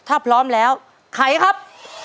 ถ้าพร้อมแล้วไขครับ